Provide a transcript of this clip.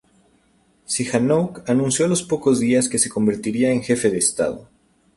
Sihanouk anunció a los pocos días que se convertiría en Jefe de Estado.